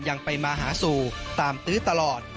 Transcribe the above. ยังไปมาหาสู่ตามตื้อตลอด